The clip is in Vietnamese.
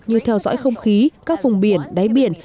như theo dõi không khí các vùng biển đáy biển